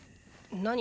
何？